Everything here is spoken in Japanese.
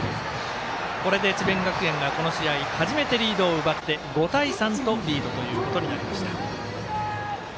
これで智弁学園がこの試合、初めてリードを奪って５対３と２点リードとなりました。